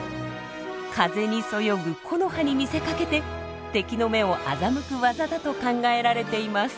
風にそよぐ木の葉に見せかけて敵の目を欺くワザだと考えられています。